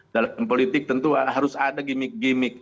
dalam politik tentu harus ada gimmick gimmick